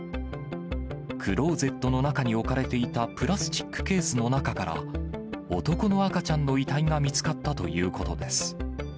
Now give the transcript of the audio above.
クローゼットの中に置かれていたプラスチックケースの中から、男の赤ちゃんの遺体が見つかったということです。